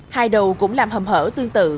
hai đầu cũng làm hầm hở tương tự